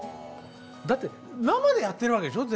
だって生でやってるわけでしょ？